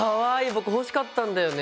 僕欲しかったんだよね。